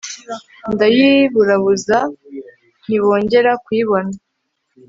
ndayiburabuza ntibongera kuyibona